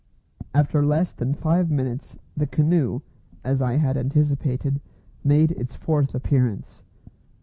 After less than five minutes the canoe, as I had anticipated, made its fourth appearance.